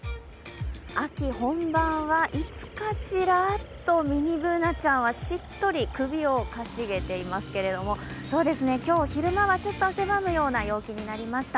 秋本番はいつかしら？とミニＢｏｏｎａちゃんはしっとり首をかしげていますけれども、今日は昼間がちょっと汗ばむような陽気になりました。